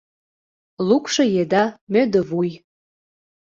Лукшо еда — мӧдывуй